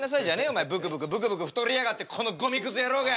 お前ブクブクブクブク太りやがってこのゴミくず野郎が！